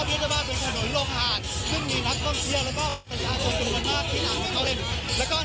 ครับนี่จะว่าเป็นถนนโลกห่างซึ่งมีนักก้องเทียร์แล้วก็สถานกลุ่มคนมากที่อาจจะเข้าเล่น